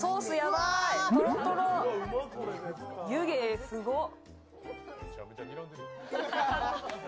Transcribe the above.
湯気、すごっ！